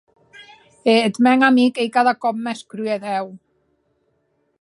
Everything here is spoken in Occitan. E eth mèn amic ei cada còp mès crudèu!